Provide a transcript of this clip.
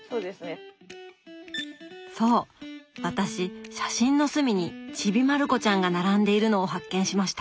私写真の隅に「ちびまる子ちゃん」が並んでいるのを発見しました。